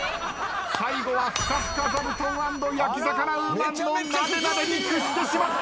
最後はふかふか座布団アンド焼き魚ウーマンのなでなでに屈してしまった。